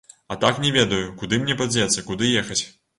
А так не ведаю, куды мне падзецца, куды ехаць.